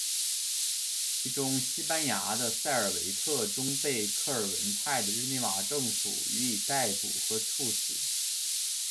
其中西班牙的塞尔维特终被克尔文派的日内瓦政府予以逮捕和处死。